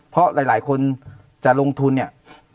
เพราะหลายคนจะลงทุนเนี่ย